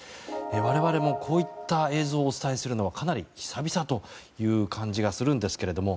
我々もこういった映像をお伝えするのはかなり久々という感じがするんですけれども。